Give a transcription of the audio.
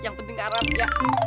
yang penting arab ya